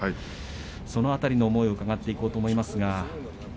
その辺りの思いを伺っていこうと思いますが。